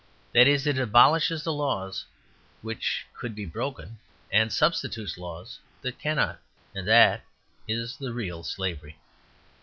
That is, it abolishes the laws which could be broken, and substitutes laws that cannot. And that is the real slavery.